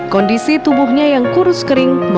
kondisi tubuhnya yang kurus kering